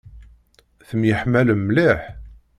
Temyiḥmalem mliḥ?